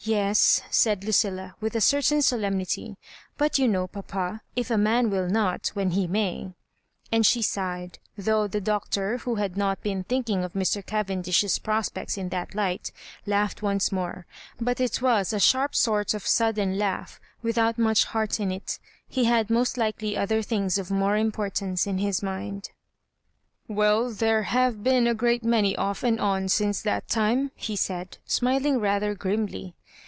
"Yes," said Lucilla, with a certain solemnity —" but you know, papa, if a man will not when he may " And she sighed, though the Doc tor, who had not been thinkiugof Mr. Cavendishes prospects in that light, laughed once more ; but it was a sharp sort of sudden laugh without much heart ui it. He had most likely other things of more importance In his mind. " "Well, there have been a great many off and on since that time," he said, smiling rather grimly.